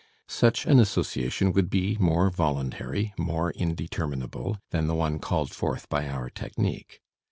Such an association would be more voluntary, more indeterminable, than the one called forth by our technique.